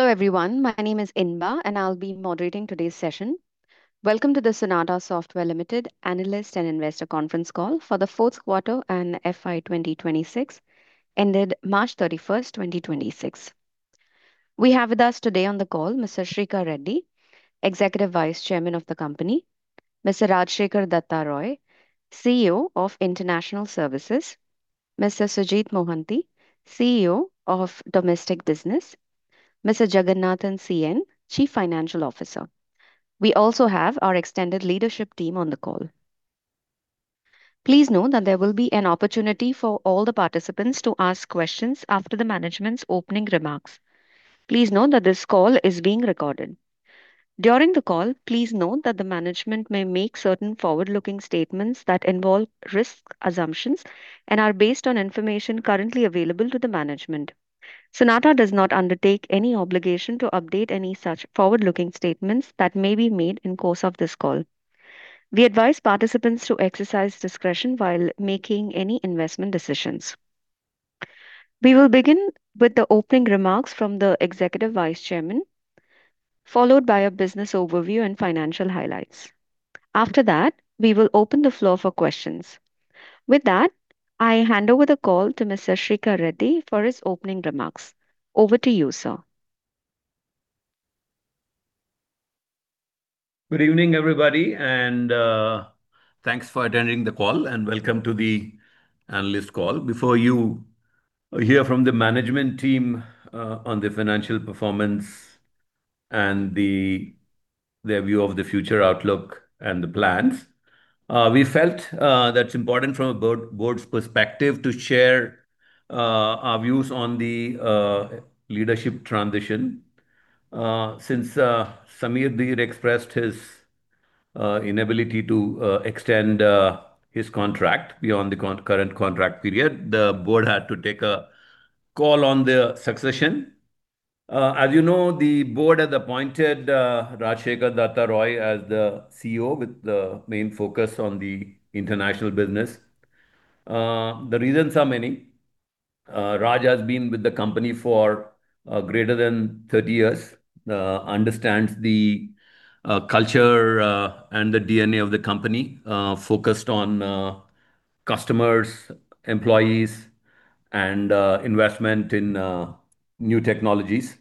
Hello, everyone. My name is Inba, and I'll be moderating today's session. Welcome to the Sonata Software Limited Analyst and Investor Conference Call for the fourth quarter and FY 2026, ended March 31, 2026. We have with us today on the call Mr. Srikar Reddy, Executive Vice Chairman of the company, Mr. Rajsekhar Datta Roy, CEO of International Services, Mr. Sujit Mohanty, CEO of Domestic Business, Mr. Jagannathan CN, Chief Financial Officer. We also have our extended leadership team on the call. Please note that there will be an opportunity for all the participants to ask questions after the management's opening remarks. Please note that this call is being recorded. During the call, please note that the management may make certain forward-looking statements that involve risk assumptions and are based on information currently available to the management. Sonata does not undertake any obligation to update any such forward-looking statements that may be made in course of this call. We advise participants to exercise discretion while making any investment decisions. We will begin with the opening remarks from the Executive Vice Chairman, followed by a business overview and financial highlights. After that, we will open the floor for questions. With that, I hand over the call to Mr. Srikar Reddy for his opening remarks. Over to you, sir. Good evening, everybody, thanks for attending the call, and welcome to the analyst call. Before you hear from the management team on the financial performance and their view of the future outlook and the plans, we felt that's important from a board's perspective to share our views on the leadership transition. Since Samir Dhir expressed his inability to extend his contract beyond the current contract period, the board had to take a call on the succession. As you know, the board has appointed Rajsekhar Datta Roy as the CEO with the main focus on the international business. The reasons are many. Raj has been with the company for greater than 30 years, understands the culture and the DNA of the company, focused on customers, employees, and investment in new technologies.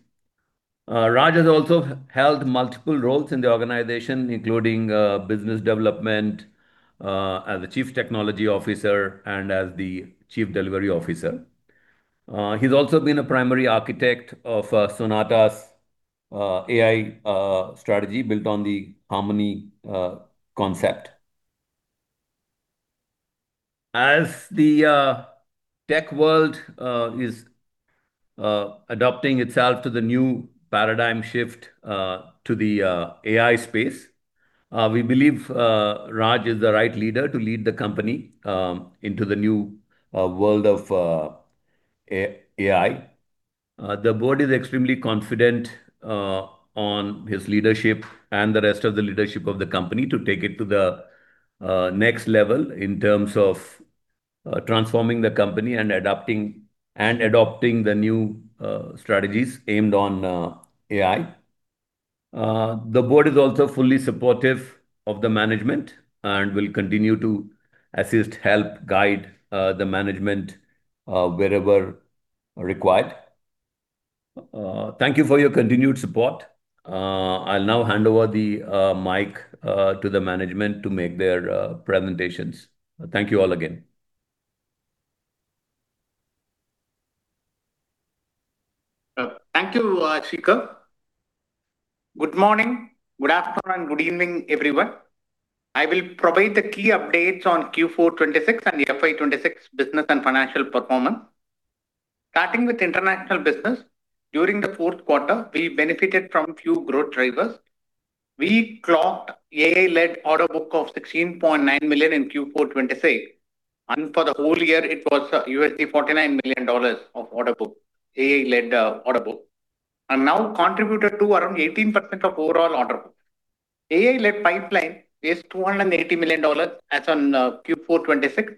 Raj has also held multiple roles in the organization, including business development, as the Chief Technology Officer and as the Chief Delivery Officer. He's also been a primary architect of Sonata's AI strategy built on the Harmoni.AI concept. As the tech world is adapting itself to the new paradigm shift to the AI space, we believe Raj is the right leader to lead the company into the new world of AI. The board is extremely confident on his leadership and the rest of the leadership of the company to take it to the next level in terms of transforming the company and adopting the new strategies aimed on AI. The board is also fully supportive of the management and will continue to assist, help guide the management wherever required. Thank you for your continued support. I'll now hand over the mic to the management to make their presentations. Thank you all again. Thank you, Srikar. Good morning, good afternoon, good evening, everyone. I will provide the key updates on Q4 2026 and FY 2026 business and financial performance. Starting with international business, during the fourth quarter we benefited from few growth drivers. We clocked AI-led order book of 16.9 million in Q4 2026, and for the whole year it was $49 million of order book, AI-led order book, and now contributed to around 18% of overall order book. AI-led pipeline is $280 million as on Q4 2026.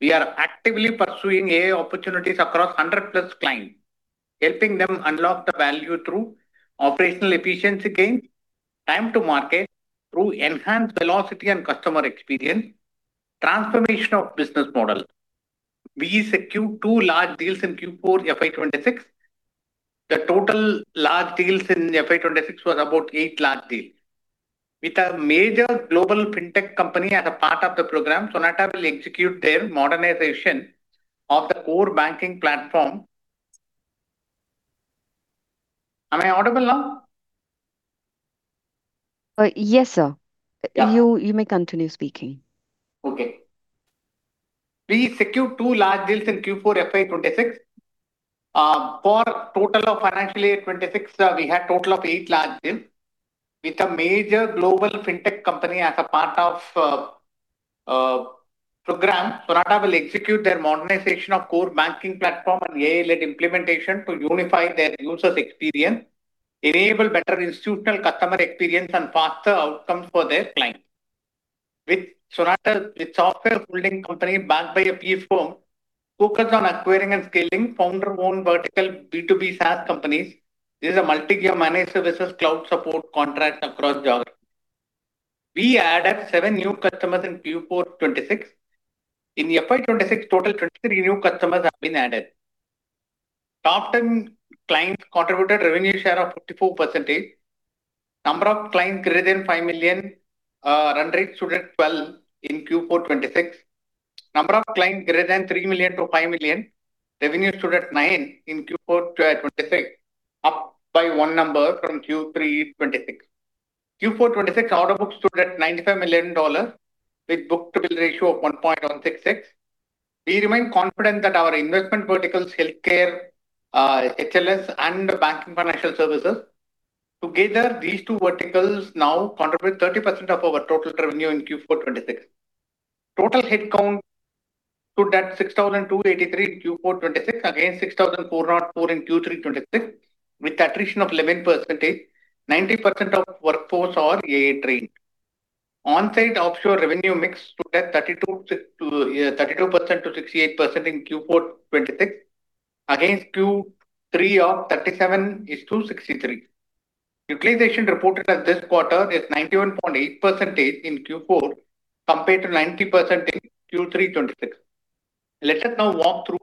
We are actively pursuing AI opportunities across 100-plus clients, helping them unlock the value through operational efficiency gains, time to market through enhanced velocity and customer experience, transformation of business model. We secured 2 large deals in Q4 FY 2026. The total large deals in FY 2026 was about 8 large deals. With a major global fintech company as a part of the program, Sonata will execute their modernization of the core banking platform. Am I audible now? Yes, sir. Yeah. You may continue speaking. Okay. We secured 2 large deals in Q4 FY 2026. For total of financial year 2026, we had total of 8 large deals. With a major global fintech company as a part of program, Sonata will execute their modernization of core banking platform and AI-led implementation to unify their users' experience, enable better institutional customer experience and faster outcomes for their clients. With software holding company backed by a PE firm focused on acquiring and scaling founder-owned vertical B2B SaaS companies. This is a multi year managed services cloud support contract across geography. We added 7 new customers in Q4 2026. In FY 2026, total 23 new customers have been added. Top 10 clients contributed revenue share of 54%. Number of clients greater than 5 million run rate stood at 12 in Q4 2026. Number of clients greater than 3 million-5 million, revenue stood at 9 in Q4 2026, up by 1 number from Q3 2026. Q4 2026 order books stood at $95 million with book-to-bill ratio of 1.166. We remain confident that our investment verticals, healthcare, HLS and banking financial services. Together, these two verticals now contribute 30% of our total revenue in Q4 2026. Total headcount stood at 6,283 in Q4 2026 against 6,404 in Q3 2026, with attrition of 11%. 90% of workforce are AI-trained. On-site offshore revenue mix stood at 32%-68% in Q4 2026 against Q3 of 37:63. Utilization reported at this quarter is 91.8% in Q4 compared to 90% Q3 2026. Let us now walk through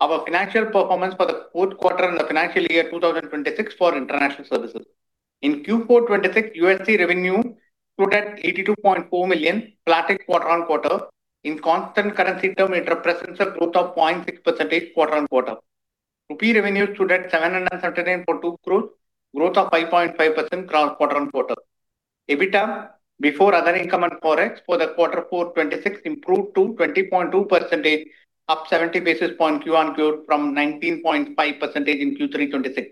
our financial performance for the fourth quarter and the FY 2026 for international services. In Q4 2026, USD revenue stood at $82.4 million, flat quarter-on-quarter. In constant currency term, it represents a growth of 0.6% quarter-on-quarter. INR revenue stood at 774.2 crore, growth of 5.5% quarter-on-quarter. EBITDA before other income and ForEx for the Q4 2026 improved to 20.2%, up 70 basis points quarter-on-quarter from 19.5% in Q3 2026.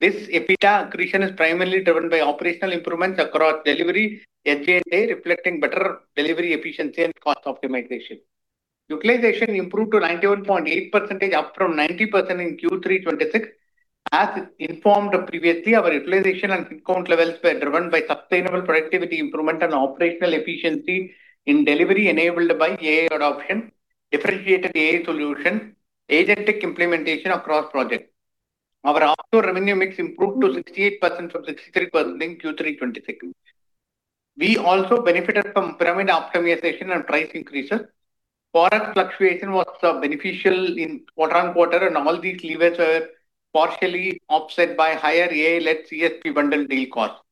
This EBITDA accretion is primarily driven by operational improvements across delivery, SG&A reflecting better delivery efficiency and cost optimization. Utilization improved to 91.8% up from 90% in Q3 2026. As informed previously, our utilization and headcount levels were driven by sustainable productivity improvement and operational efficiency in delivery enabled by AI adoption, differentiated AI solution, agentic implementation across projects. Our offshore revenue mix improved to 68% from 63% in Q3 2026. We also benefited from pyramid optimization and price increases. ForEx fluctuation was beneficial in quarter-on-quarter, and all these levers were partially offset by higher AI-led CSP bundle deal cost.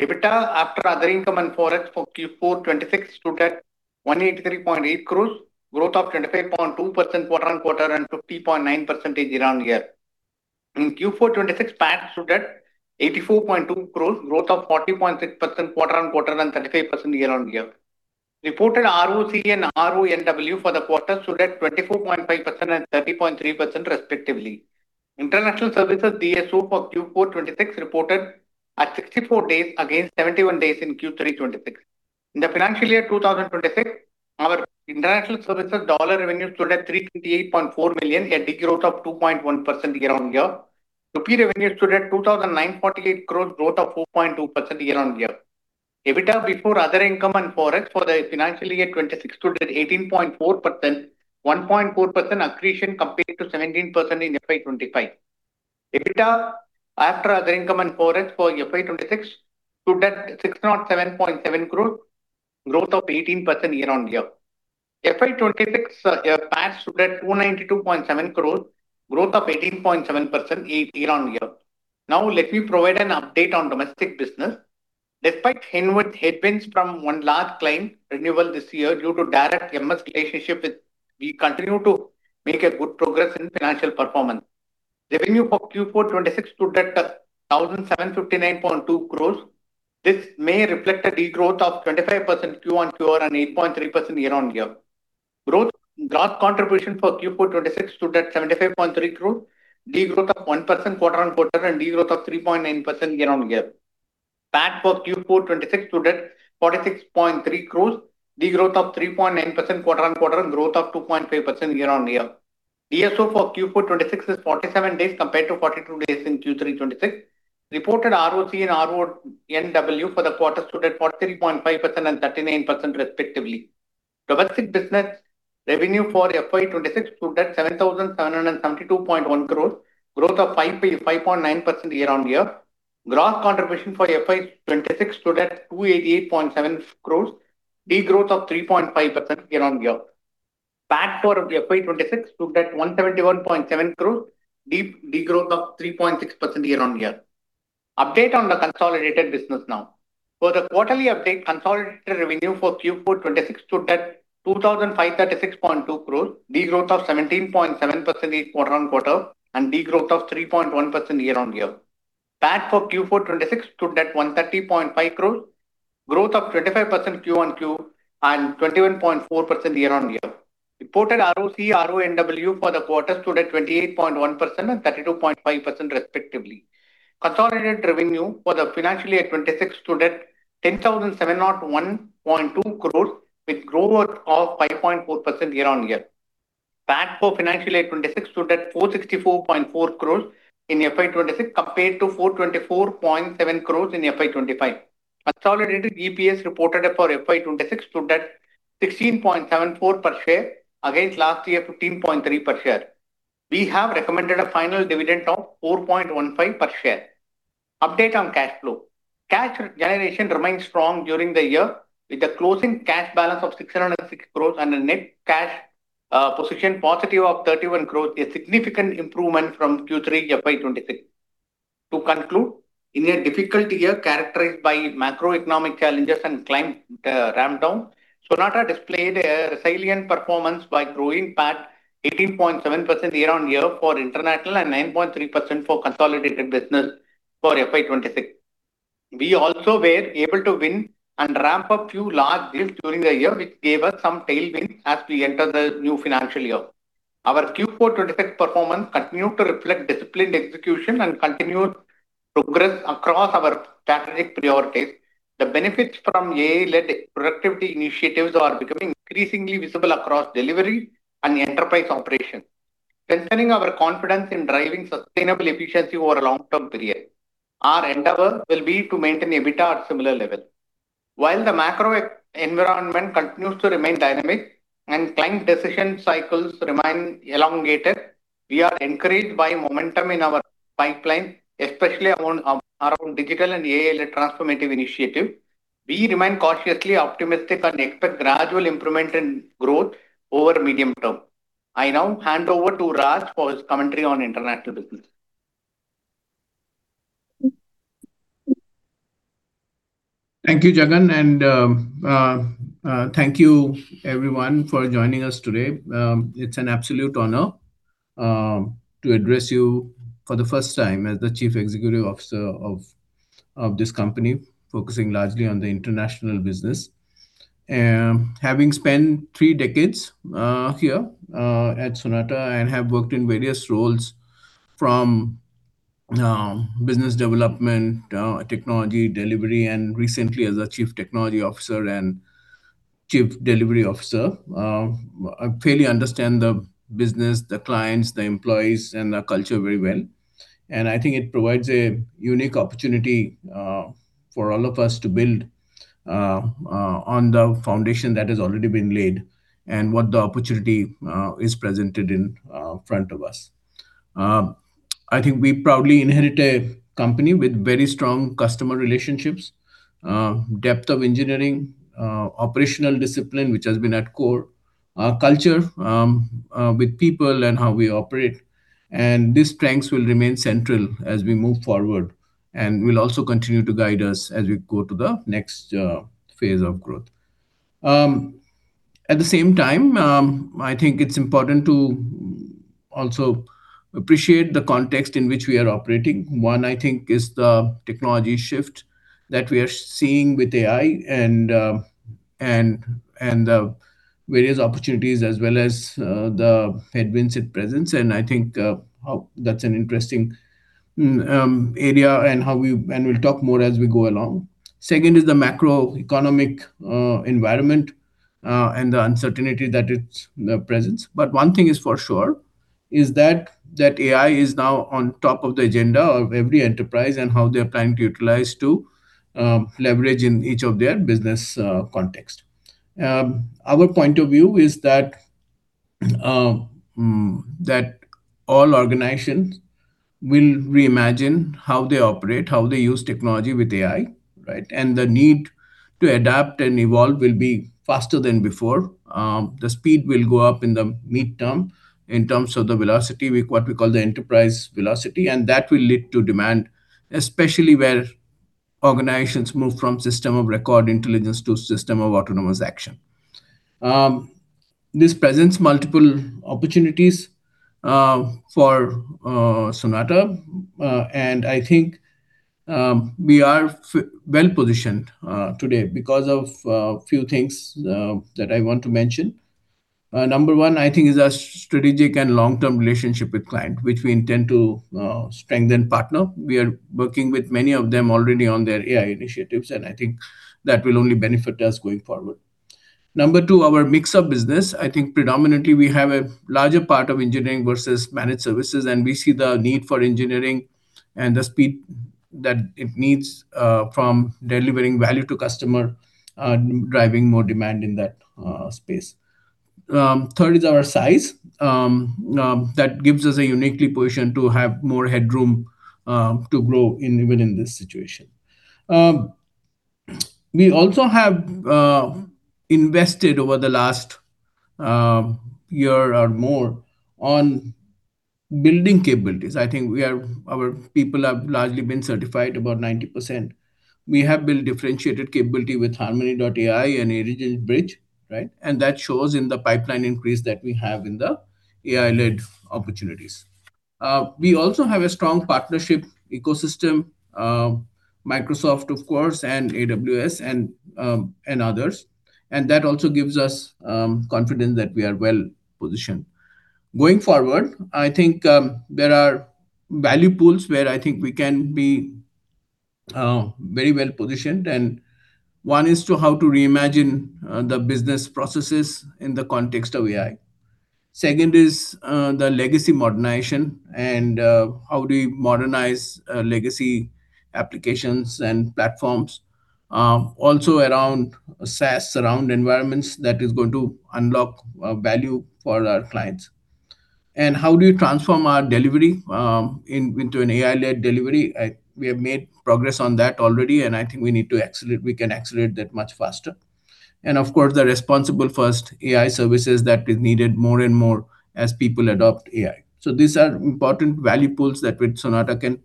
EBITDA after other income and ForEx for Q4 2026 stood at 183.8 crores, growth of 25.2% quarter-on-quarter and 50.9% year-on-year. In Q4 2026, PAT stood at 84.2 crores, growth of 40.6% quarter-on-quarter and 35% year-on-year. Reported ROC and RONW for the quarter stood at 24.5% and 30.3% respectively. International services DSO for Q4 2026 reported at 64 days against 71 days in Q3 2026. In the financial year 2026, our international services dollar revenue stood at $328.4 million, a degrowth of 2.1% year-on-year. Rupee revenue stood at 2,948 crore, growth of 4.2% year-on-year. EBITDA before other income and ForEx for the FY 2026 stood at 18.4%, 1.4% accretion compared to 17% in FY 2025. EBITDA after other income and ForEx for FY 2026 stood at INR 607.7 crore, growth of 18% year-on-year. FY 2026 PAT stood at INR 292.7 crore, growth of 18.7% year-on-year. Let me provide an update on domestic business. Despite headwinds from one large client renewal this year due to direct MS relationship with, we continue to make good progress in financial performance. Revenue for Q4 2026 stood at 1,759.2 crores. This may reflect a degrowth of 25% Q1 Q2 and 8.3% year-on-year. Gross contribution for Q4 2026 stood at 75.3 crore. Degrowth of 1% quarter-on-quarter and degrowth of 3.9% year-on-year. PAT for Q4 2026 stood at 46.3 crores, degrowth of 3.9% quarter-on-quarter and growth of 2.5% year-on-year. DSO for Q4 2026 is 47 days compared to 42 days in Q3 2026. Reported ROC and RONW for the quarter stood at 43.5% and 39% respectively. Domestic business revenue for FY 2026 stood at 7,772.1 crore, growth of 5.9% year-on-year. Gross contribution for FY 2026 stood at 288.7 crore, degrowth of 3.5% year-on-year. PAT for FY 2026 stood at 171.7 crore, degrowth of 3.6% year-on-year. Update on the consolidated business now. For the quarterly update, consolidated revenue for Q4 2026 stood at 2,536.2 crore, degrowth of 17.7% quarter-on-quarter and degrowth of 3.1% year-on-year. PAT for Q4 2026 stood at 130.5 crores, growth of 25% Q1 Q and 21.4% year-on-year. Reported ROC, RONW for the quarter stood at 28.1% and 32.5% respectively. Consolidated revenue for the financial year 2026 stood at 10,701.2 crore with growth of 5.4% year-on-year. PAT for financial year 2026 stood at 464.4 crores in FY 2026 compared to 424.7 crores in FY 2025. Consolidated EPS reported for FY 2026 stood at 16.74 per share against last year 15.3 per share. We have recommended a final dividend of 4.15 per share. Update on cash flow. Cash generation remained strong during the year, with a closing cash balance of 606 crores and a net cash position positive of 31 crores, a significant improvement from Q3 FY 2026. To conclude, in a difficult year characterized by macroeconomic challenges and client ramp down, Sonata displayed a resilient performance by growing PAT 18.7% year on year for international and 9.3% for consolidated business for FY 2026. We also were able to win and ramp up few large deals during the year, which gave us some tailwinds as we enter the new financial year. Our Q4 2026 performance continued to reflect disciplined execution and continued progress across our strategic priorities. The benefits from AI-led productivity initiatives are becoming increasingly visible across delivery and enterprise operations, strengthening our confidence in driving sustainable efficiency over a long-term period. Our endeavor will be to maintain EBITDA at similar level. While the macro environment continues to remain dynamic and client decision cycles remain elongated, we are encouraged by momentum in our pipeline, especially around digital and AI-led transformative initiative. We remain cautiously optimistic and expect gradual improvement in growth over medium term. I now hand over to Raj for his commentary on international business. Thank you, Jagan. Thank you everyone for joining us today. It's an absolute honor to address you for the first time as the Chief Executive Officer of this company, focusing largely on the international business. Having spent three decades here at Sonata and have worked in various roles from business development, technology delivery, and recently as a Chief Technology Officer and Chief Delivery Officer, I fairly understand the business, the clients, the employees, and the culture very well. I think it provides a unique opportunity for all of us to build on the foundation that has already been laid and what the opportunity is presented in front of us. I think we proudly inherit a company with very strong customer relationships, depth of engineering, operational discipline which has been at core, our culture, with people and how we operate. These strengths will remain central as we move forward and will also continue to guide us as we go to the next phase of growth. At the same time, I think it's important to also appreciate the context in which we are operating. One, I think, is the technology shift that we are seeing with AI and various opportunities as well as the headwinds it presents. I think, how that's an interesting area and we'll talk more as we go along. Second is the macroeconomic environment and the uncertainty that it presents. One thing is for sure, is that AI is now on top of the agenda of every enterprise and how they are trying to utilize to leverage in each of their business context. Our point of view is that all organizations will reimagine how they operate, how they use technology with AI, right? The need to adapt and evolve will be faster than before. The speed will go up in the midterm in terms of the velocity with what we call the enterprise velocity, and that will lead to demand, especially where organizations move from system of record intelligence to system of autonomous action. This presents multiple opportunities for Sonata. I think we are well positioned today because of a few things that I want to mention. Number 1, I think, is our strategic and long-term relationship with client, which we intend to strengthen partner. We are working with many of them already on their AI initiatives, and I think that will only benefit us going forward. Number 2, our mix of business. I think predominantly we have a larger part of engineering versus managed services, and we see the need for engineering and the speed that it needs from delivering value to customer, driving more demand in that space. 3rd is our size, that gives us a uniquely position to have more headroom to grow in even in this situation. We also have invested over the last year or more on building capabilities. I think our people have largely been certified about 90%. We have built differentiated capability with Harmoni.AI and Origin Bridge, right? That shows in the pipeline increase that we have in the AI-led opportunities. We also have a strong partnership ecosystem, Microsoft, of course, and AWS and others. That also gives us confidence that we are well-positioned. Going forward, I think there are value pools where I think we can be very well positioned, and one is how to reimagine the business processes in the context of AI. Second is the legacy modernization and how do we modernize legacy applications and platforms. Also around SaaS, around environments that is going to unlock value for our clients. How do you transform our delivery into an AI-led delivery? We have made progress on that already, I think we need to accelerate that much faster. Of course, the responsible first AI services that is needed more and more as people adopt AI. These are important value pools that with Sonata can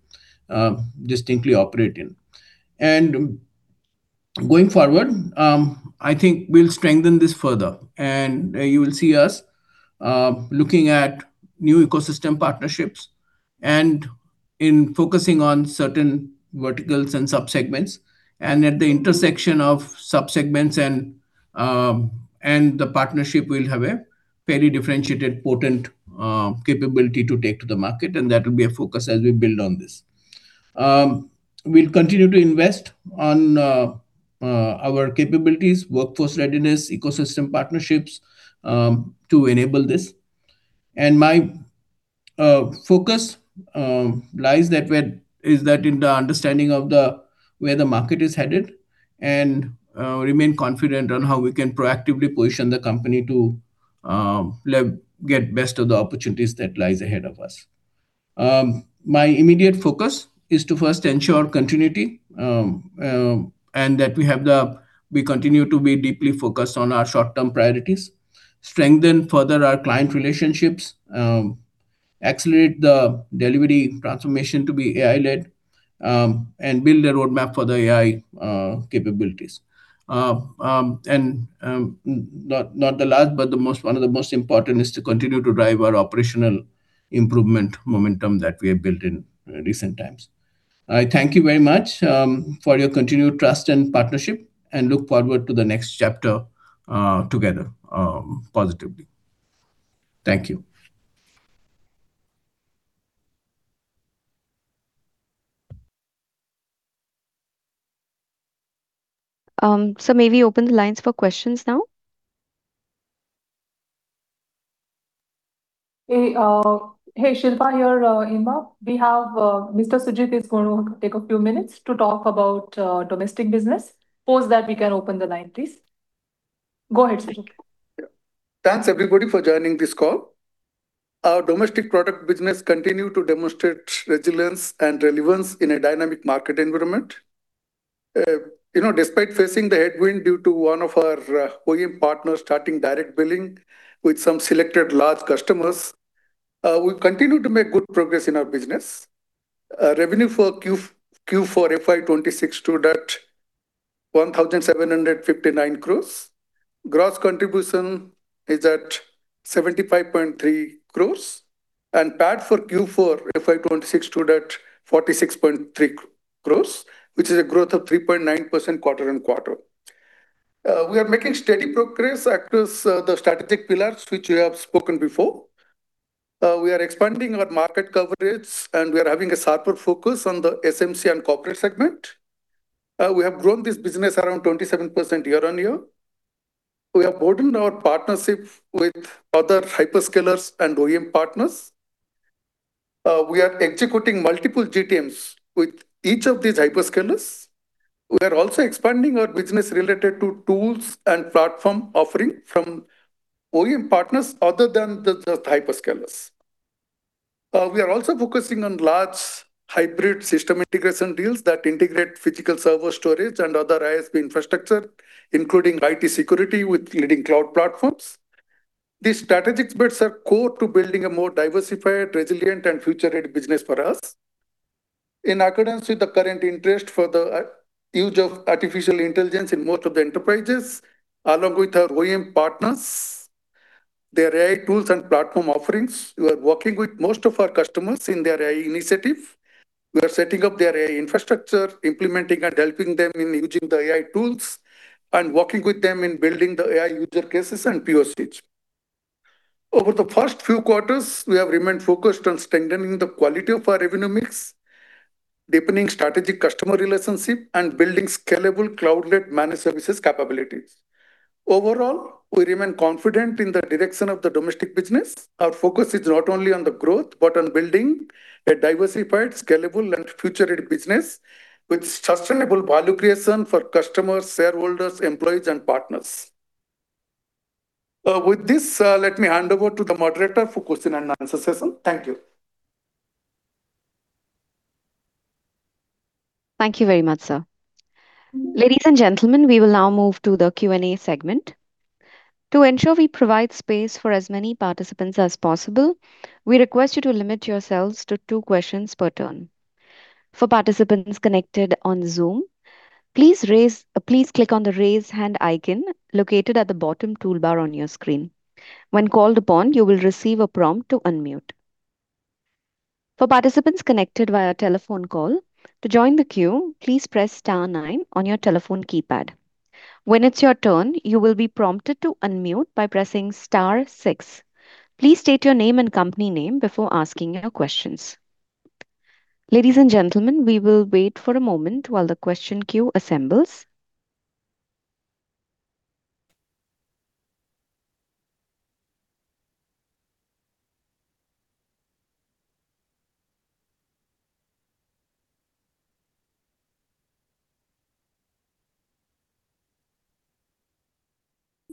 distinctly operate in. Going forward, I think we'll strengthen this further, you will see us looking at new ecosystem partnerships and in focusing on certain verticals and sub-segments. At the intersection of sub-segments and the partnership, we'll have a very differentiated potent capability to take to the market, and that will be a focus as we build on this. We'll continue to invest on our capabilities, workforce readiness, ecosystem partnerships to enable this. My focus lies that where is that in the understanding of the where the market is headed, and remain confident on how we can proactively position the company to get best of the opportunities that lies ahead of us. My immediate focus is to first ensure continuity, and that we continue to be deeply focused on our short-term priorities, strengthen further our client relationships, accelerate the delivery transformation to be AI-led, and build a roadmap for the AI capabilities. Not the last, but the most one of the most important is to continue to drive our operational improvement momentum that we have built in recent times. I thank you very much for your continued trust and partnership, and look forward to the next chapter together positively. Thank you. May we open the lines for questions now? Hey, Shilpa, here, Inba. We have Mr. Sujit is gonna take a few minutes to talk about domestic business. Post that, we can open the line, please. Go ahead, Sujit. Yeah. Thanks everybody for joining this call. Our Domestic Product Business continue to demonstrate resilience and relevance in a dynamic market environment. You know, despite facing the headwind due to one of our OEM partners starting direct billing with some selected large customers, we continue to make good progress in our business. Revenue for Q4 FY 2026 stood at 1,759 crores. Gross contribution is at 75.3 crores. PAT for Q4 FY 2026 stood at 46.3 crores, which is a growth of 3.9% quarter-on-quarter. We are making steady progress across the strategic pillars which we have spoken before. We are expanding our market coverage, and we are having a sharper focus on the SMC and corporate segment. We have grown this business around 27% year-on-year. We have broadened our partnership with other hyperscalers and OEM partners. We are executing multiple GTMs with each of these hyperscalers. We are also expanding our business related to tools and platform offering from OEM partners other than the hyperscalers. We are also focusing on large hybrid system integration deals that integrate physical server storage and other ISP infrastructure, including IT security with leading cloud platforms. These strategic bets are core to building a more diversified, resilient, and future-ready business for us. In accordance with the current interest for the use of artificial intelligence in most of the enterprises, along with our OEM partners, their AI tools and platform offerings, we are working with most of our customers in their AI initiative. We are setting up their AI infrastructure, implementing and helping them in using the AI tools, and working with them in building the AI user cases and POCs. Over the first few quarters, we have remained focused on strengthening the quality of our revenue mix, deepening strategic customer relationship, and building scalable cloud-led managed services capabilities. Overall, we remain confident in the direction of the domestic business. Our focus is not only on the growth, but on building a diversified, scalable, and future-ready business with sustainable value creation for customers, shareholders, employees, and partners. With this, let me hand over to the moderator for question and answer session. Thank you. Thank you very much, sir. Ladies and gentlemen, we will now move to the Q&A segment. To ensure we provide space for as many participants as possible, we request you to limit yourselves to two questions per turn. For participants connected on Zoom, please click on the Raise Hand icon located at the bottom toolbar on your screen. When called upon, you will receive a prompt to unmute. For participants connected via telephone call, to join the queue, please press star nine on your telephone keypad. When it's your turn, you will be prompted to unmute by pressing star six. Please state your name and company name before asking your questions. Ladies and gentlemen, we will wait for a moment while the question queue assembles.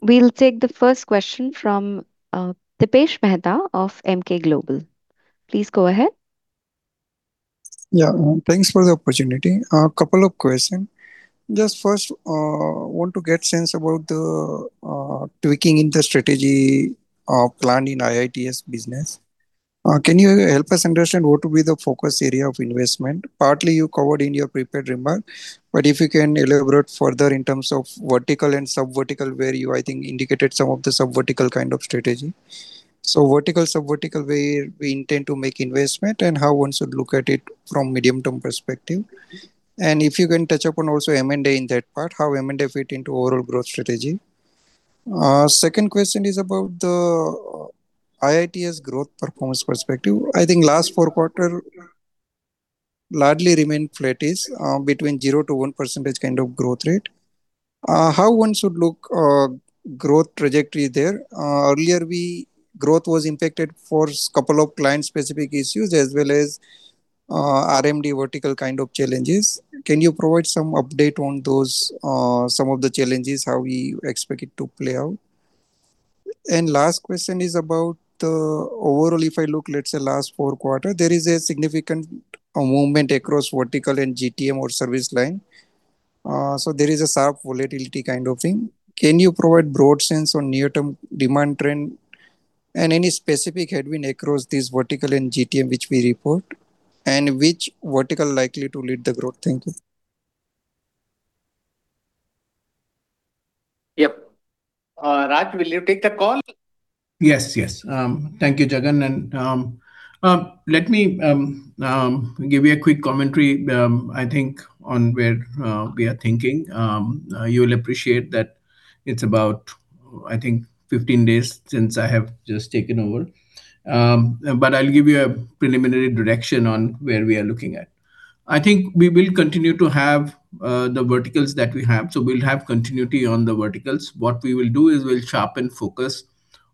We'll take the first question from Dipesh Mehta of Emkay Global. Please go ahead. Thanks for the opportunity. A couple of question. Just first, want to get sense about the tweaking in the strategy plan in IITS business. Can you help us understand what will be the focus area of investment? Partly you covered in your prepared remark, but if you can elaborate further in terms of vertical and sub-vertical, where you, I think, indicated some of the sub-vertical kind of strategy. Vertical, sub-vertical where we intend to make investment and how one should look at it from medium-term perspective. If you can touch upon also M&A in that part, how M&A fit into overall growth strategy. Second question is about the IITS growth performance perspective. I think last four quarter largely remained flattish, between 0% - 1% kind of growth rate. How one should look growth trajectory there? Earlier we growth was impacted for couple of client specific issues as well as RMD vertical kind of challenges. Can you provide some update on those, some of the challenges, how we expect it to play out? Last question is about overall if I look, let's say last 4 quarters, there is a significant movement across vertical and GTM or service line. There is a sharp volatility kind of thing. Can you provide broad sense on near-term demand trend and any specific headwind across this vertical and GTM which we report? Which vertical likely to lead the growth? Thank you. Yep. Raj, will you take the call? Yes, yes. Thank you, Jagan, let me give you a quick commentary on where we are thinking. You will appreciate that it's about 15 days since I have just taken over. I'll give you a preliminary direction on where we are looking at. We will continue to have the verticals that we have. We'll have continuity on the verticals. What we will do is we'll sharpen focus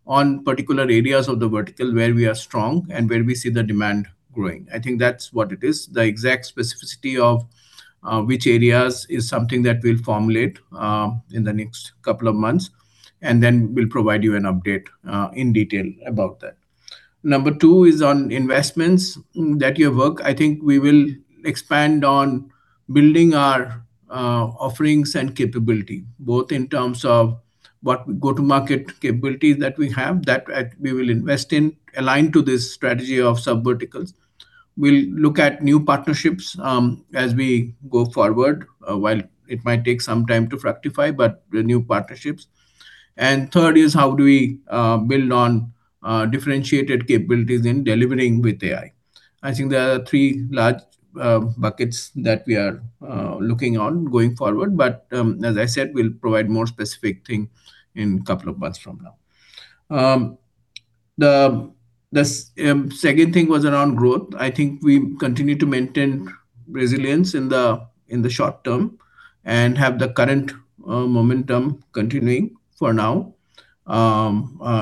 on particular areas of the vertical where we are strong and where we see the demand growing. That's what it is. The exact specificity of which areas is something that we'll formulate in the next couple of months, then we'll provide you an update in detail about that. Number two is on investments that you have work. I think we will expand on building our offerings and capability, both in terms of what go-to-market capabilities that we have, that we will invest in aligned to this strategy of sub-verticals. We'll look at new partnerships as we go forward. While it might take some time to fructify, but the new partnerships. Third is how do we build on differentiated capabilities in delivering with AI. I think there are three large buckets that we are looking on going forward, but as I said, we'll provide more specific thing in couple of months from now. The second thing was around growth. I think we continue to maintain resilience in the short term and have the current momentum continuing for now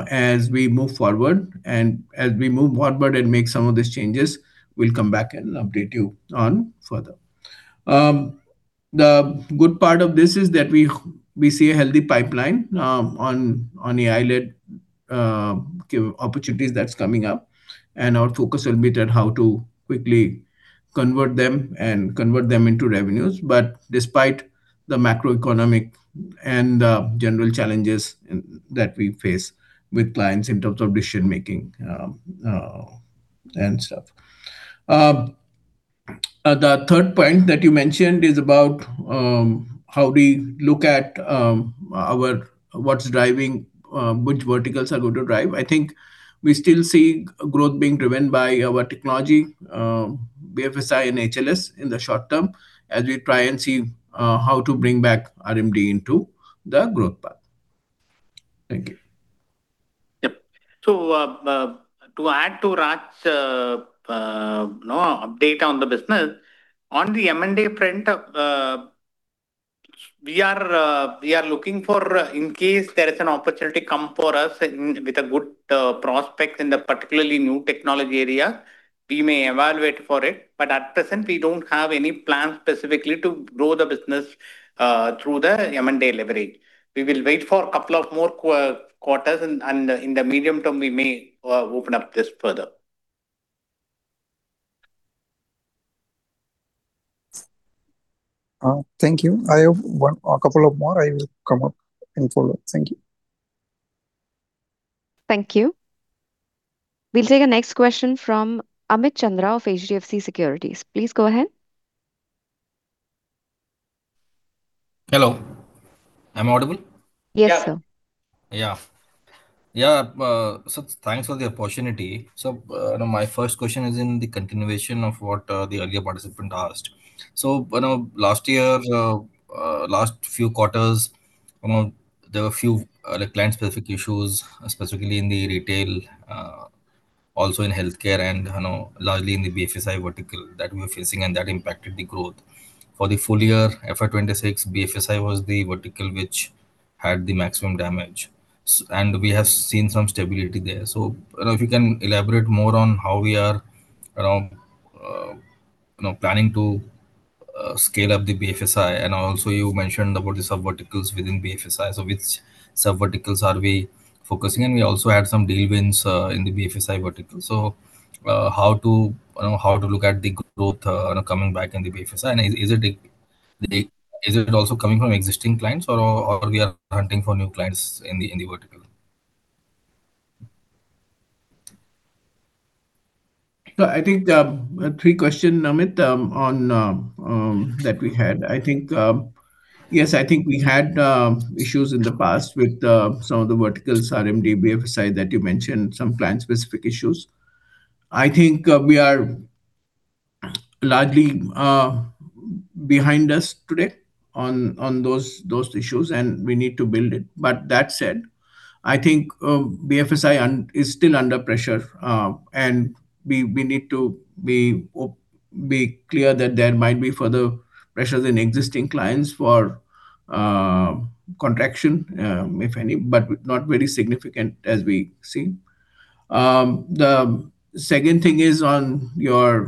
as we move forward. As we move forward and make some of these changes, we'll come back and update you on further. The good part of this is that we see a healthy pipeline on AI-led opportunities that's coming up, and our focus will be at how to quickly convert them and convert them into revenues. Despite the macroeconomic and the general challenges in, that we face with clients in terms of decision-making and stuff. The third point that you mentioned is about how we look at our what's driving, which verticals are going to drive. I think we still see growth being driven by our technology, BFSI and HLS in the short term as we try and see how to bring back RMD into the growth path. Thank you. Yep. To add to Raj, you know, update on the business, on the M&A front, we are looking for in case there is an opportunity come for us in, with a good prospects in the particularly new technology area, we may evaluate for it. At present, we don't have any plans specifically to grow the business through the M&A leverage. We will wait for couple of more quarters, and in the medium term, we may open up this further. Thank you. I have one a couple of more I will come up in follow-up. Thank you. Thank you. We will take a next question from Amit Chandra of HDFC Securities. Please go ahead. Hello. Am I audible? Yes, sir. Yeah. Yeah. Thanks for the opportunity. You know, my first question is in the continuation of what the earlier participant asked. You know, last year, last few quarters, you know, there were a few like client-specific issues, specifically in the retail, also in healthcare and, you know, largely in the BFSI vertical that we're facing and that impacted the growth. For the full year FY26, BFSI was the vertical which had the maximum damage. We have seen some stability there. You know, if you can elaborate more on how we are, you know, planning to scale up the BFSI. Also you mentioned about the subverticals within BFSI. Which subverticals are we focusing? We also had some deal wins in the BFSI vertical. How to look at the growth, you know, coming back in the BFSI? Is it also coming from existing clients or we are hunting for new clients in the vertical? I think 3 questions, Amit, on that we had. I think, yes, I think we had issues in the past with some of the verticals, RMD, BFSI, that you mentioned, some client-specific issues. I think we are largely behind us today on those issues, and we need to build it. That said, I think BFSI is still under pressure, and we need to be clear that there might be further pressures in existing clients for contraction, if any, but not very significant as we see. The second thing is on your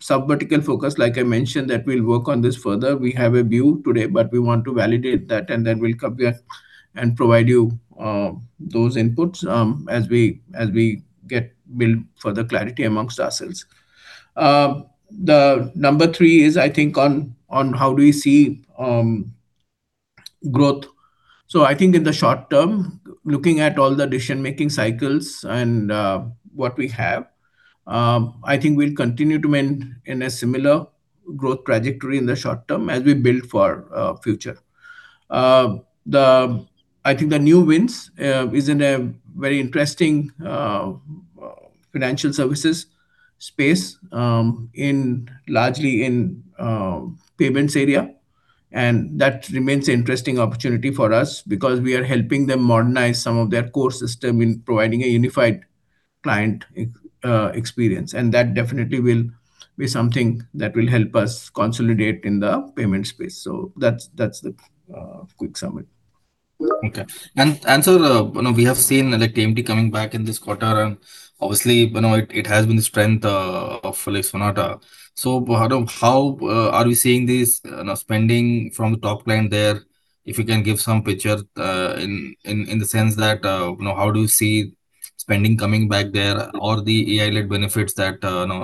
subvertical focus, like I mentioned, that we'll work on this further. We have a view today, but we want to validate that, then we'll come back and provide you those inputs as we get build further clarity amongst ourselves. The number 3 is, I think, on how do we see growth. I think in the short term, looking at all the decision-making cycles and what we have, I think we'll continue to remain in a similar growth trajectory in the short term as we build for future. I think the new wins is in a very interesting financial services space in largely in payments area. That remains interesting opportunity for us because we are helping them modernize some of their core system in providing a unified client experience. That definitely will be something that will help us consolidate in the payment space. That's the quick summary. Okay. We have seen the TMT coming back in this quarter, and obviously, you know, it has been the strength of Sonata. How are we seeing this, you know, spending from the top line there? If you can give some picture in the sense that, you know, how do you see spending coming back there or the AI-led benefits that, you know,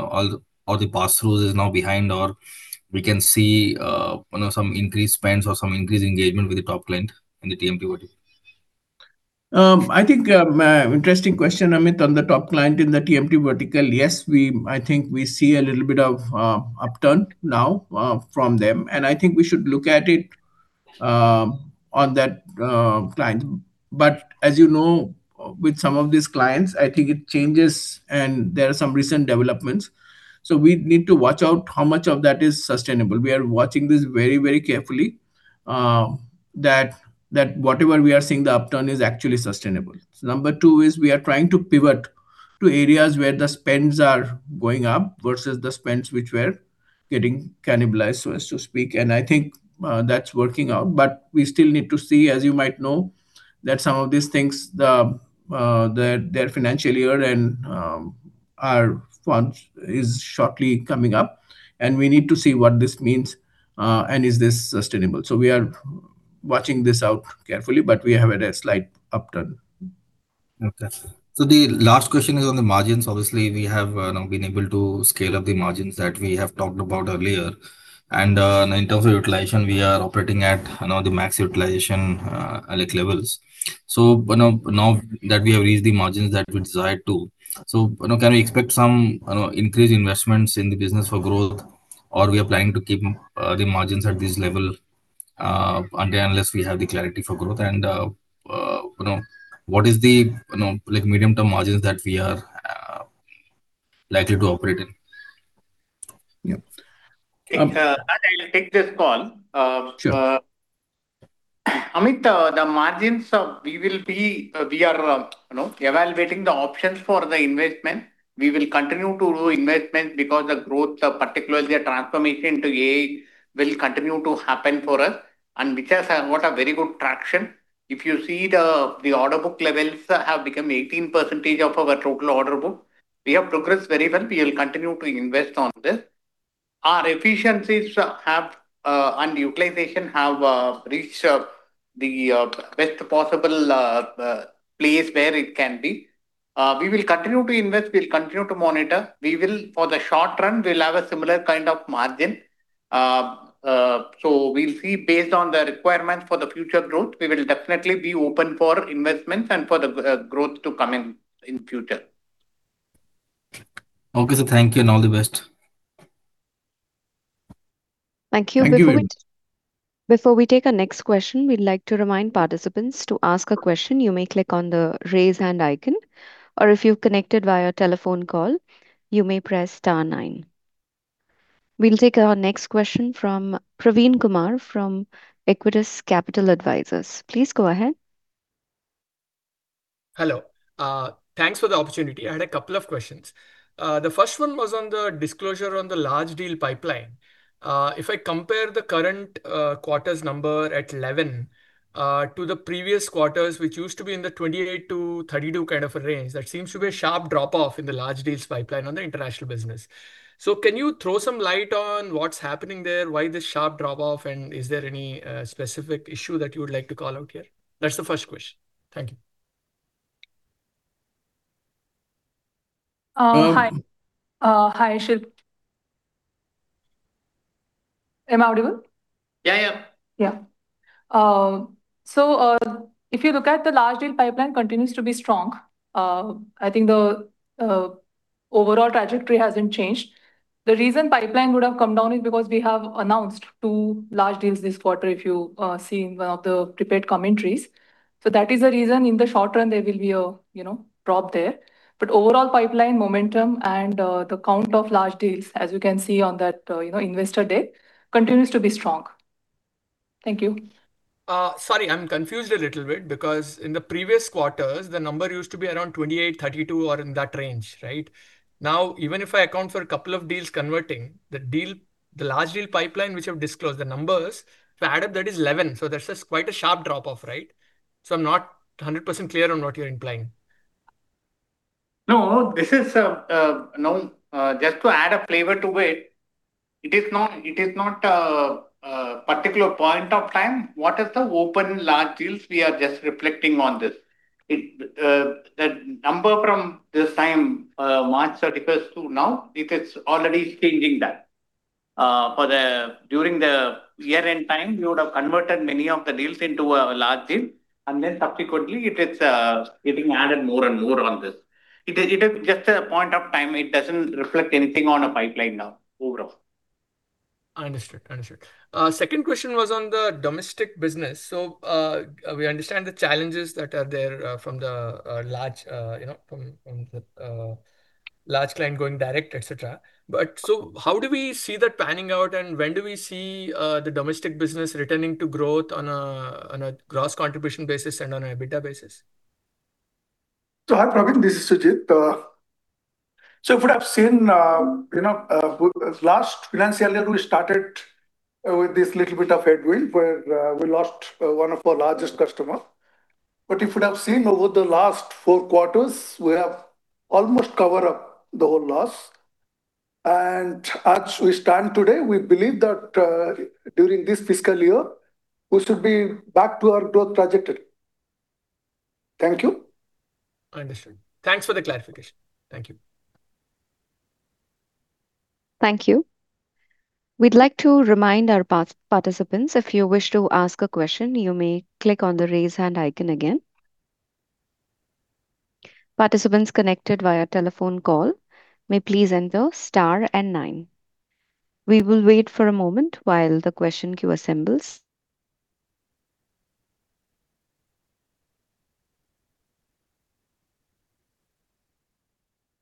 all the passthroughs is now behind, or we can see, you know, some increased spends or some increased engagement with the top client in the TMT vertical? I think, interesting question, Amit, on the top client in the TMT vertical. Yes, I think we see a little bit of upturn now from them. I think we should look at it on that client. As you know, with some of these clients, I think it changes and there are some recent developments, so we need to watch out how much of that is sustainable. We are watching this very carefully that whatever we are seeing the upturn is actually sustainable. Number 2 is we are trying to pivot to areas where the spends are going up versus the spends which were getting cannibalized, so as to speak. I think, that's working out. We still need to see, as you might know, that some of these things, the, their financial year and, our funds is shortly coming up, and we need to see what this means, and is this sustainable. We are watching this out carefully, but we have a slight upturn. The last question is on the margins. Obviously, we have been able to scale up the margins that we have talked about earlier. In terms of utilization, we are operating at, you know, the max utilization like levels. Now that we have reached the margins that we desired to, can we expect some, you know, increased investments in the business for growth? Or we are planning to keep the margins at this level, unless we have the clarity for growth and, you know, what is the, you know, like medium-term margins that we are likely to operate in? Yeah. Amit, I will take this call. Sure. Amit, the margins, we are evaluating the options for the investment. We will continue to do investment because the growth, particularly the transformation to AI will continue to happen for us and which has got a very good traction. If you see the order book levels have become 18% of our total order book. We have progressed very well. We will continue to invest on this. Our efficiencies have and utilization have reached the best possible place where it can be. We will continue to invest. We'll continue to monitor. For the short run, we'll have a similar kind of margin. We'll see based on the requirement for the future growth. We will definitely be open for investments and for the growth to come in in future. Okay. Thank you, and all the best. Thank you. Thank you very much. Before we take our next question, we'd like to remind participants to ask a question you may click on the Raise Hand icon, or if you've connected via telephone call, you may press star 9. We'll take our next question from Praveen Kumar from Equitas Capital Advisors. Please go ahead. Hello. Thanks for the opportunity. I had a couple of questions. The first one was on the disclosure on the large deal pipeline. If I compare the current quarter's number at 11 to the previous quarters, which used to be in the 28-32 kind of a range, there seems to be a sharp drop-off in the large deals pipeline on the international business. Can you throw some light on what's happening there, why this sharp drop-off, and is there any specific issue that you would like to call out here? That's the first question. Thank you. Hi. Hi, Shilp. Am I audible? Yeah, yeah. Yeah. If you look at the large deal pipeline continues to be strong. I think the overall trajectory hasn't changed. The reason pipeline would have come down is because we have announced 2 large deals this quarter, if you seen 1 of the prepared commentaries. That is a reason in the short run there will be a, you know, drop there. Overall pipeline momentum and the count of large deals, as you can see on that, you know, investor day, continues to be strong. Thank you. Sorry, I'm confused a little bit because in the previous quarters the number used to be around 28, 32 or in that range, right? Now, even if I account for a couple of deals converting, the large deal pipeline which you have disclosed, the numbers, if I add up that is 11, that's a quite a sharp drop-off, right? I'm not 100% clear on what you're implying. This is just to add a flavor to it is not a particular point of time. What is the open large deals, we are just reflecting on this. The number from this time, March, that refers to now, it is already changing that. For the, during the year-end time, you would have converted many of the deals into a large deal, and then subsequently it is getting added more and more on this. It is just a point of time. It doesn't reflect anything on a pipeline now overall. Understood. Understood. Second question was on the domestic business. We understand the challenges that are there, from the large, you know, from the large client going direct, et cetera. How do we see that panning out, and when do we see the domestic business returning to growth on a gross contribution basis and on a EBITDA basis? Hi, Praveen. This is Sujit. If you'd have seen, you know, last financial year we started with this little bit of headwind where we lost one of our largest customer. If you'd have seen over the last 4 quarters, we have almost cover up the whole loss. As we stand today, we believe that during this fiscal year we should be back to our growth trajectory. Thank you. Understood. Thanks for the clarification. Thank you. Thank you. We'd like to remind our participants if you wish to ask a question, you may click on the Raise Hand icon again. Participants connected via telephone call may please enter star and nine. We will wait for a moment while the question queue assembles.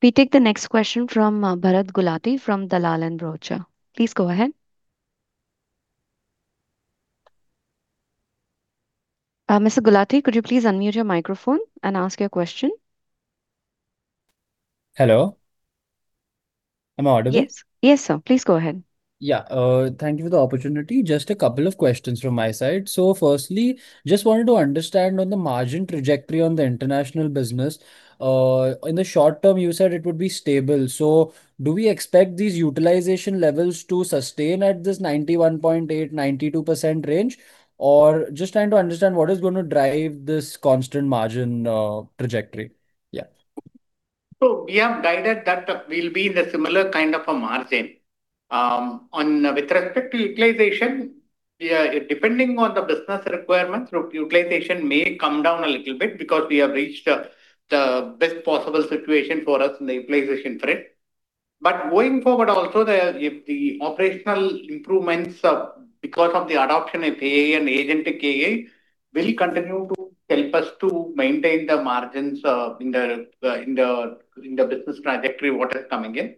We take the next question from Bharat Gulati from Dalal & Broacha. Please go ahead. Mr. Gulati, could you please unmute your microphone and ask your question? Hello. Am I audible? Yes. Yes, sir. Please go ahead. Yeah. Thank you for the opportunity. Just a couple of questions from my side. Firstly, just wanted to understand on the margin trajectory on the international business. In the short term you said it would be stable. Do we expect these utilization levels to sustain at this 91.8%-92% range? Or just trying to understand what is going to drive this constant margin trajectory. Yeah. We have guided that we'll be in the similar kind of a margin. On with respect to utilization, yeah, depending on the business requirements, utilization may come down a little bit because we have reached the best possible situation for us in the utilization front. Going forward also the operational improvements because of the adoption of AI and agentic AI will continue to help us to maintain the margins in the business trajectory what is coming in.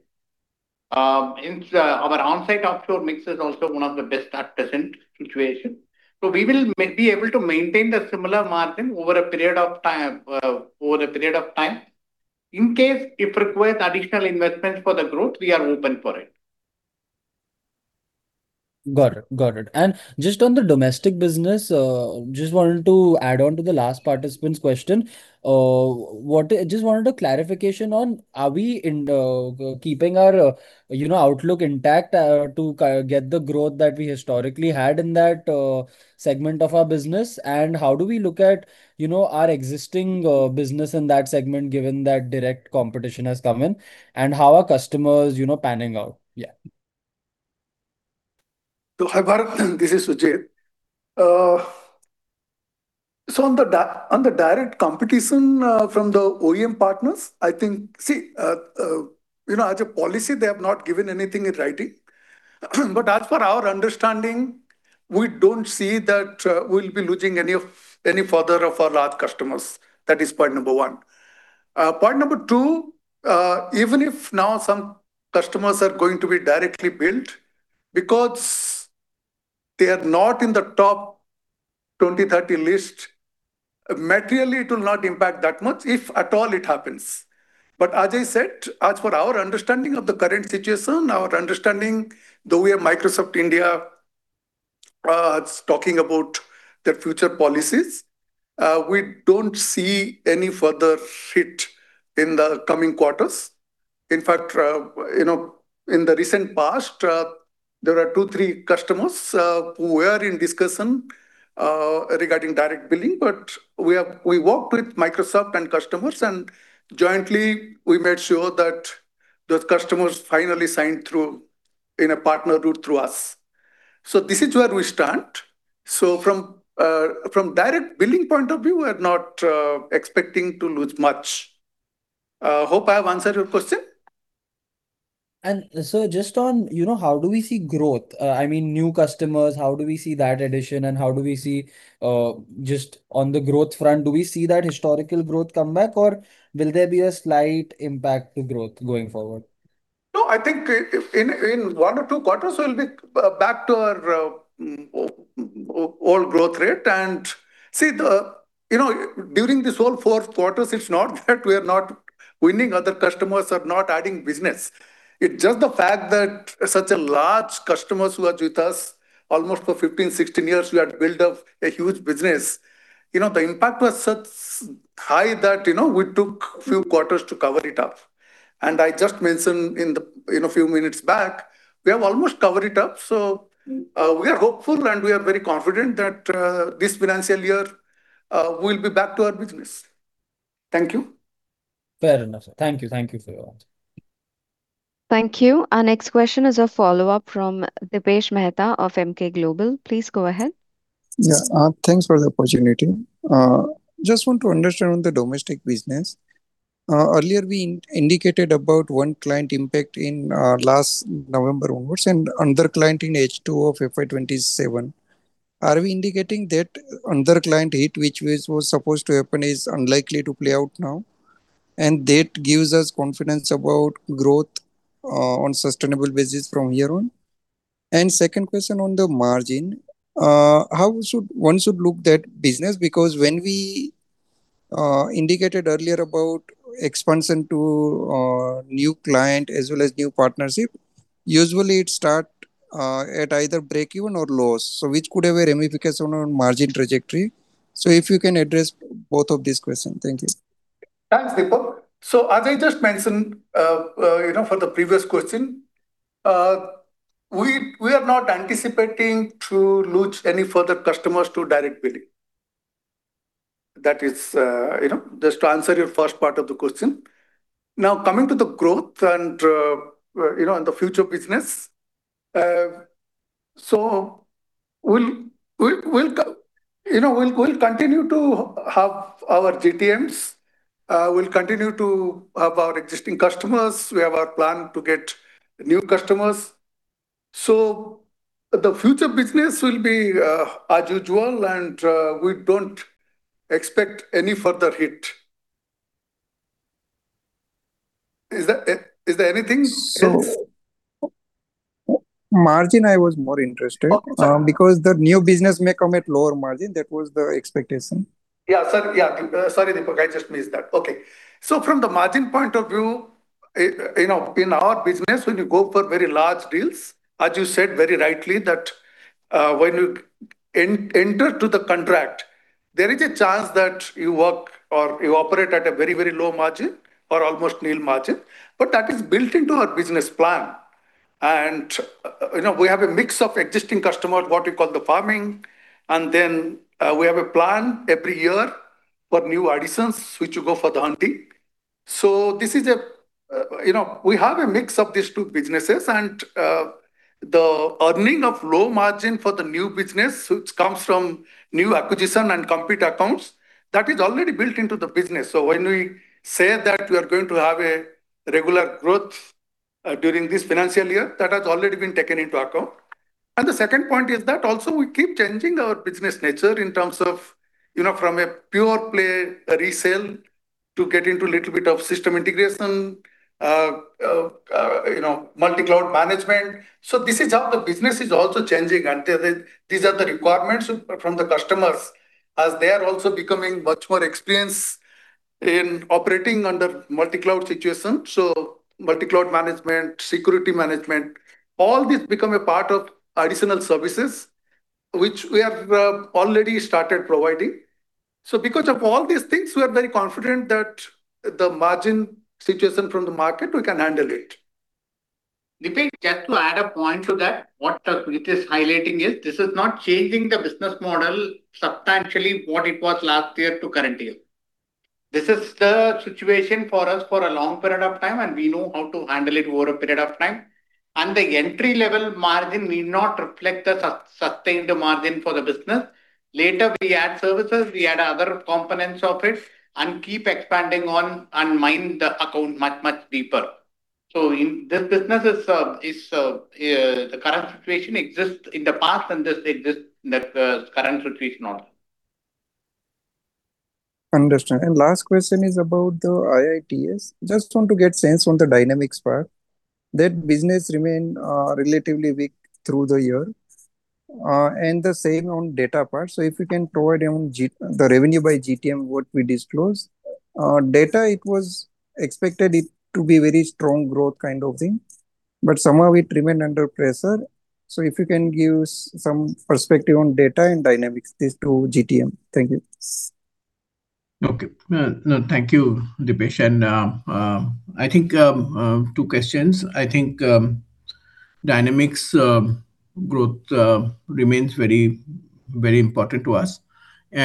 It's our onsite offshore mix is also one of the best at present situation. We will be able to maintain the similar margin over a period of time. In case it requires additional investments for the growth, we are open for it. Got it. Got it. Just on the domestic business, just wanted to add on to the last participant's question. What I just wanted a clarification on are we in keeping our, you know, outlook intact, to get the growth that we historically had in that segment of our business? How do we look at, you know, our existing business in that segment given that direct competition has come in? How are customers, you know, panning out? Yeah. Hi, Bharat. This is Sujit. On the direct competition from the OEM partners, as a policy, they have not given anything in writing, but as per our understanding, we don't see that we'll be losing any further of our large customers. That is point number one. Point number two, even if now some customers are going to be directly billed, because they are not in the top 20-30 list, materially it will not impact that much, if at all it happens. As I said, as per our understanding of the current situation, our understanding, the way Microsoft India is talking about their future policies, we don't see any further hit in the coming quarters. You know, in the recent past, there are two, three customers, who were in discussion, regarding direct billing, but we worked with Microsoft and customers, and jointly we made sure that those customers finally signed through in a partner route through us. This is where we stand. From direct billing point of view, we're not expecting to lose much. Hope I have answered your question. Just on, you know, how do we see growth? I mean, new customers, how do we see that addition, and how do we see, just on the growth front, do we see that historical growth come back, or will there be a slight impact to growth going forward? No, I think, in 1 or 2 quarters we'll be back to our old growth rate. See the You know, during this whole 4 quarters, it's not that we are not winning other customers or not adding business. It's just the fact that such a large customers who are with us almost for 15, 16 years, we had built up a huge business. You know, the impact was such high that, you know, we took a few quarters to cover it up. I just mentioned in the, you know, few minutes back, we have almost covered it up. We are hopeful and we are very confident that this financial year, we'll be back to our business. Thank you. Fair enough, sir. Thank you. Thank you for your answer. Thank you. Our next question is a follow-up from Dipesh Mehta of Emkay Global. Please go ahead. Thanks for the opportunity. I just want to understand on the domestic business. Earlier we indicated about one client impact in last November onwards and another client in H2 of FY2027. Are we indicating that another client hit which was supposed to happen is unlikely to play out now, that gives us confidence about growth on sustainable basis from here on? My second question on the margin, how should one look at that business? When we indicated earlier about expansion to new client as well as new partnership, usually it start at either break even or loss. Which could have a ramification on margin trajectory. If you can address both of these question. Thank you. Thanks, Dipesh. As I just mentioned, you know, for the previous question, we are not anticipating to lose any further customers to direct billing. That is, you know, just to answer your first part of the question. Now, coming to the growth and, you know, and the future business, we'll continue to have our GTMs, we'll continue to have our existing customers. We have our plan to get new customers. The future business will be as usual, and we don't expect any further hit. Is there anything else? Margin I was more interested. Okay. Because the new business may come at lower margin. That was the expectation. Sorry. Sorry, Dipesh, I just missed that. From the margin point of view, you know, in our business, when you go for very large deals, as you said very rightly that, when you enter to the contract, there is a chance that you work or you operate at a very, very low margin or almost nil margin. That is built into our business plan. You know, we have a mix of existing customer, what we call the farming, and then, we have a plan every year for new additions, which we go for the hunting. This is a, you know, we have a mix of these two businesses and, the earning of low margin for the new business which comes from new acquisition and compute accounts, that is already built into the business. When we say that we are going to have a regular growth during this financial year, that has already been taken into account. The second point is that also we keep changing our business nature in terms of, you know, from a pure play resale to get into a little bit of system integration, you know, multi-cloud management. This is how the business is also changing, and these are the requirements from the customers as they are also becoming much more experienced in operating under multi-cloud situation. Multi-cloud management, security management, all these become a part of additional services which we have already started providing. Because of all these things, we are very confident that the margin situation from the market, we can handle it. Dipesh, just to add a point to that, what Sujit Mohanty highlighting is, this is not changing the business model substantially what it was last year to current year. This is the situation for us for a long period of time, and we know how to handle it over a period of time. The entry level margin may not reflect the sustained margin for the business. Later we add services, we add other components of it and keep expanding on and mine the account much deeper. In this business is, the current situation exists in the past and this exists in the current situation also. Understand. Last question is about the IITS. Just want to get sense on the Dynamics part. That business remain relatively weak through the year, and the same on data part. If you can provide on the revenue by GTM what we disclosed. data it was expected it to be very strong growth kind of thing, but somehow it remained under pressure. If you can give some perspective on data and Dynamics, these two GTM. Thank you. Okay. No, thank you, Dipesh. I think 2 questions. I think Dynamics growth remains very, very important to us. We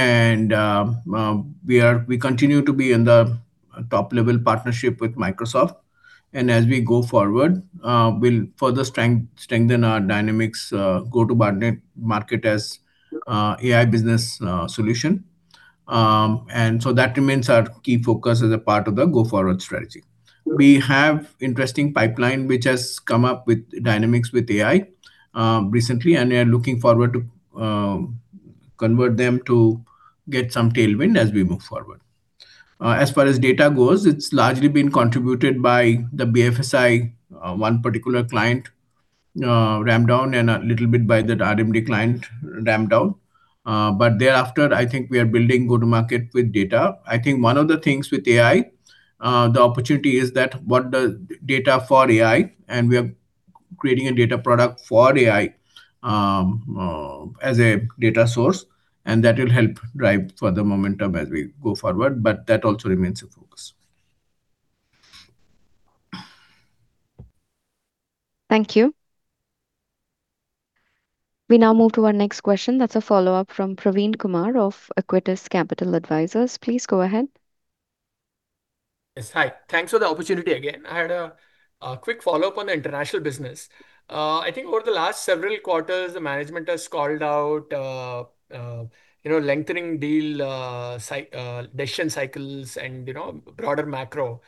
continue to be in the top level partnership with Microsoft. As we go forward, we'll further strengthen our Dynamics go to market as AI business solution. That remains our key focus as a part of the go-forward strategy. We have interesting pipeline which has come up with Dynamics with AI recently, we are looking forward to convert them to get some tailwind as we move forward. As far as data goes, it's largely been contributed by the BFSI, 1 particular client ramped down and a little bit by the RMD client ramped down. Thereafter, I think we are building go-to-market with data. I think one of the things with AI, the opportunity is that what the data for AI, and we are creating a data product for AI as a data source, and that will help drive further momentum as we go forward, but that also remains a focus. Thank you. We now move to our next question. That's a follow-up from Praveen Kumar of Equitas Capital Advisors. Please go ahead. Yes. Hi. Thanks for the opportunity again. I had a quick follow-up on the international business. I think over the last several quarters, the management has called out, you know, lengthening deal decision cycles and, you know, broader macro.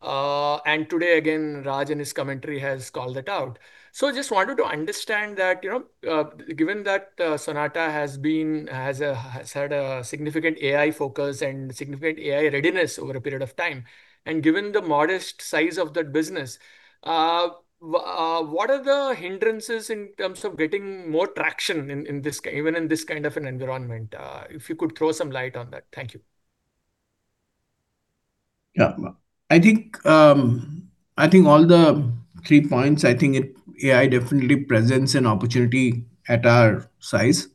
Today again, Raj in his commentary has called it out. Just wanted to understand that, you know, given that Sonata has been, has had a significant AI focus and significant AI readiness over a period of time, and given the modest size of that business, what are the hindrances in terms of getting more traction in, even in this kind of an environment? If you could throw some light on that. Thank you. Yeah. I think, I think all the three points, I think it AI definitely presents an opportunity at our size,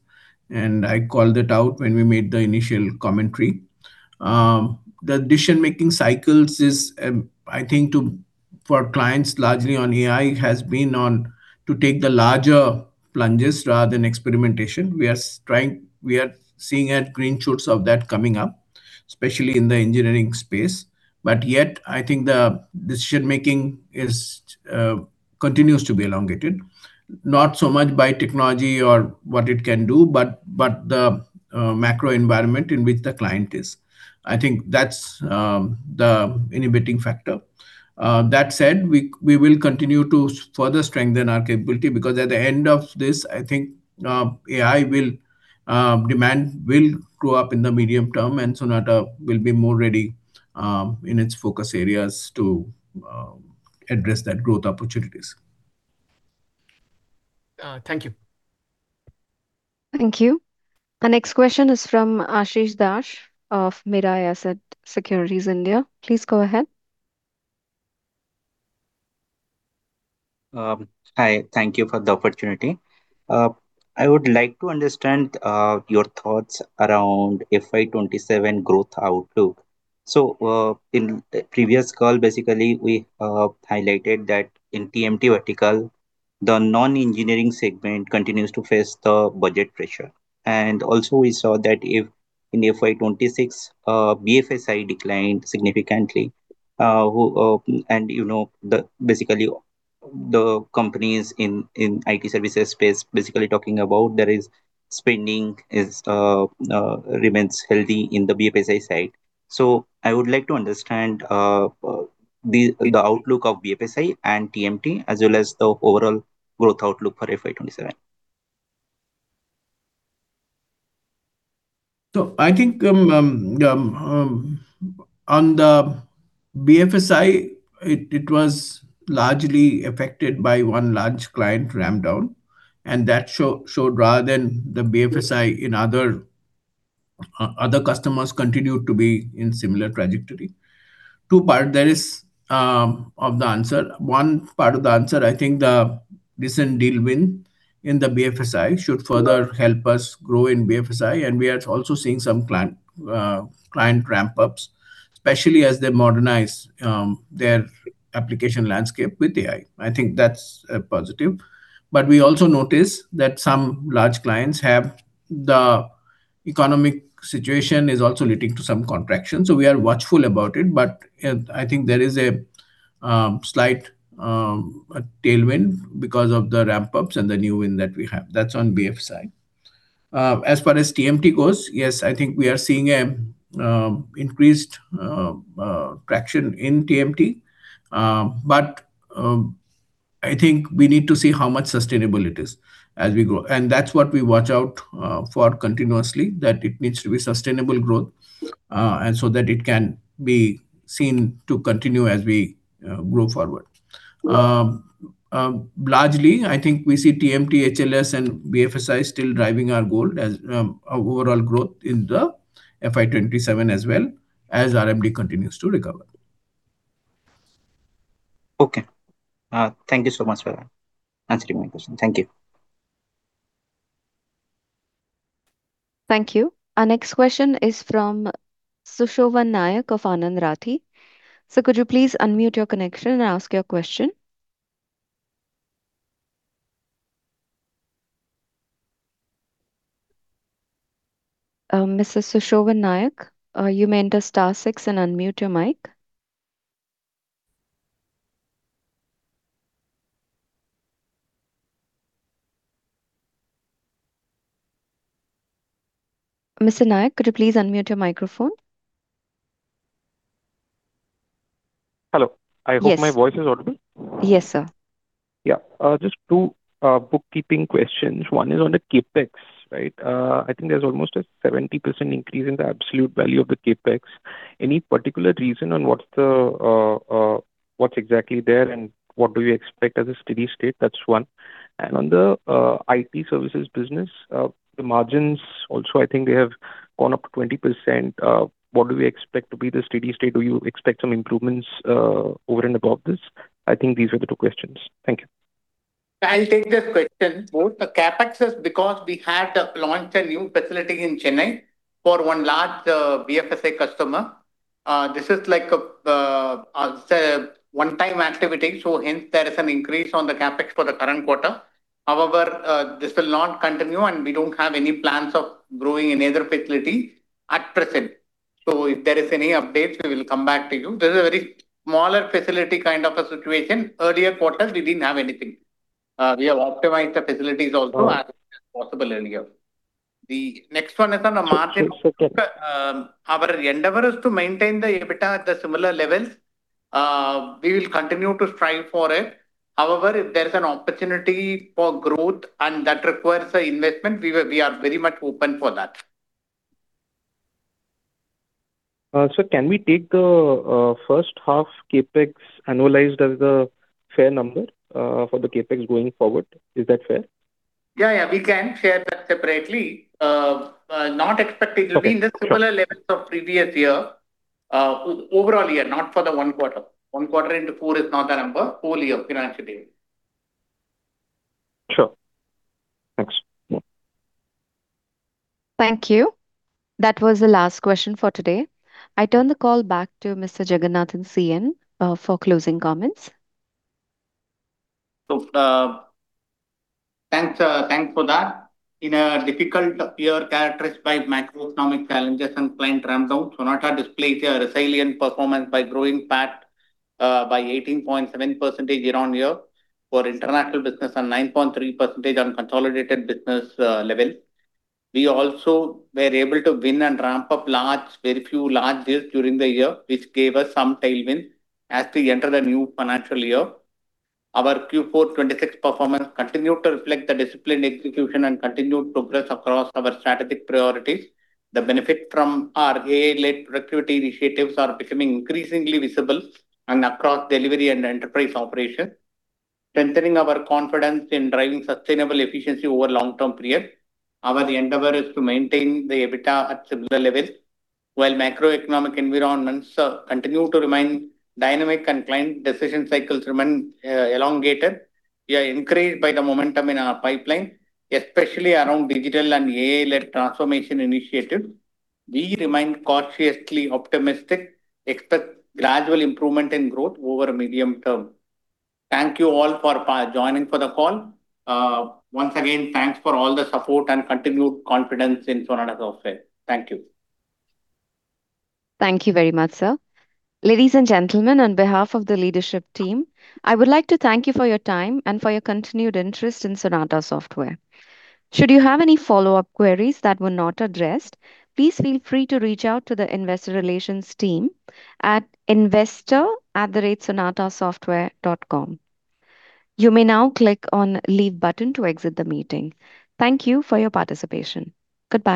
and I called it out when we made the initial commentary. The decision-making cycles is, I think for clients largely on AI has been on to take the larger plunges rather than experimentation. We are seeing green shoots of that coming up, especially in the engineering space. I think the decision making is, continues to be elongated, not so much by technology or what it can do, but the macro environment in which the client is. I think that's the inhibiting factor. That said, we will continue to further strengthen our capability because at the end of this, I think, demand will go up in the medium term, and Sonata will be more ready in its focus areas to address that growth opportunities. Thank you. Thank you. The next question is from Ashish Dave of Mirae Asset Securities India. Please go ahead. Hi. Thank you for the opportunity. I would like to understand your thoughts around FY27 growth outlook. In the previous call, basically, we highlighted that in TMT vertical, the non-engineering segment continues to face the budget pressure. And also we saw that if in FY 2026, BFSI declined significantly, and, you know, the basically the companies in IT services space basically talking about there is spending remains healthy in the BFSI side. I would like to understand the outlook of BFSI and TMT as well as the overall growth outlook for FY27. I think, on the BFSI, it was largely affected by one large client ramp down, and that showed rather than the BFSI in other customers continued to be in similar trajectory. Two part there is of the answer. One part of the answer, I think the recent deal win in the BFSI should further help us grow in BFSI, and we are also seeing some client ramp ups, especially as they modernize their application landscape with AI. I think that's a positive. We also notice that some large clients have the Economic situation is also leading to some contraction, so we are watchful about it. I think there is a slight tailwind because of the ramp-ups and the new win that we have. That's on BFSI. As far as TMT goes, yes, I think we are seeing a increased traction in TMT. I think we need to see how much sustainable it is as we grow. That's what we watch out for continuously, that it needs to be sustainable growth, and so that it can be seen to continue as we grow forward. Largely, I think we see TMT, HLS, and BFSI still driving our goal as our overall growth in the FY 2027 as well as RMD continues to recover. Okay. Thank you so much for answering my question. Thank you. Thank you. Our next question is from Sushovan Nayak of Anand Rathi. Sir, could you please unmute your connection and ask your question? Mr. Sushovan Nayak, you may enter star six and unmute your mic. Mr. Nayak, could you please unmute your microphone? Hello. Yes. I hope my voice is audible. Yes, sir. Yeah. Just 2 bookkeeping questions. One is on the CapEx, right? I think there's almost a 70% increase in the absolute value of the CapEx. Any particular reason on what's the, what's exactly there, and what do you expect as a steady state? That's one. On the IT services business, the margins also I think they have gone up to 20%. What do we expect to be the steady state? Do you expect some improvements over and above this? I think these were the 2 questions. Thank you. I'll take the questions. Both the CapEx is because we had launched a new facility in Chennai for one large BFSI customer. This is like a one-time activity, so hence there is an increase on the CapEx for the current quarter. However, this will not continue, and we don't have any plans of growing any other facility at present. If there is any updates, we will come back to you. This is a very smaller facility kind of a situation. Earlier quarters we didn't have anything. We have optimized the facilities also. Okay as possible earlier. The next one is on the margin. Okay. Our endeavor is to maintain the EBITDA at the similar levels. We will continue to strive for it. However, if there's an opportunity for growth and that requires an investment, we are very much open for that. Sir, can we take the first half CapEx annualized as a fair number for the CapEx going forward? Is that fair? Yeah, yeah. We can share that separately. Okay. Sure. to be in the similar levels of previous year. overall year, not for the 1 quarter. 1 quarter into 4 is not the number. Full year financially. Sure. Thanks. Yeah. Thank you. That was the last question for today. I turn the call back to Mr. Jagannathan CN for closing comments. Thanks, thanks for that. In a difficult year characterized by macroeconomic challenges and client ramp-down, Sonata displayed a resilient performance by growing PAT by 18.7% year-over-year for international business and 9.3% on consolidated business level. We also were able to win and ramp up large, very few large deals during the year, which gave us some tailwind as we enter the new financial year. Our Q4 2026 performance continued to reflect the disciplined execution and continued progress across our strategic priorities. The benefit from our AI-led productivity initiatives are becoming increasingly visible and across delivery and enterprise operation, strengthening our confidence in driving sustainable efficiency over long-term period. Our endeavor is to maintain the EBITDA at similar levels. While macroeconomic environments continue to remain dynamic and client decision cycles remain elongated, we are encouraged by the momentum in our pipeline, especially around digital and AI-led transformation initiatives. We remain cautiously optimistic, expect gradual improvement in growth over medium term. Thank you all for joining for the call. Once again, thanks for all the support and continued confidence in Sonata Software. Thank you. Thank you very much, sir. Ladies and gentlemen, on behalf of the leadership team, I would like to thank you for your time and for your continued interest in Sonata Software. Should you have any follow-up queries that were not addressed, please feel free to reach out to the investor relations team at investor@sonatasoftware.com. You may now click on Leave button to exit the meeting. Thank you for your participation. Goodbye.